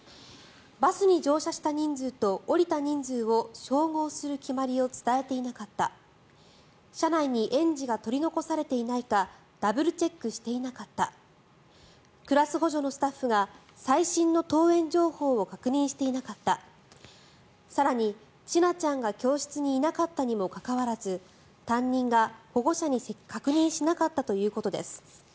バスに乗車した人数と降りた人数を照合する決まりを伝えていなかった車内に園児が取り残されていないかダブルチェックしていなかったクラス補助のスタッフが最新の登園情報を確認していなかった更に千奈ちゃんが教室にいなかったにもかかわらず担任が保護者に確認しなかったということです。